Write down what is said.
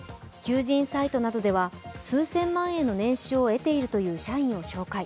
求人サイトなどでは数千万円の年収を得ているという社員を紹介。